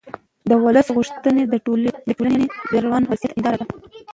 د ولس غوښتنې د ټولنې د روان وضعیت هنداره ده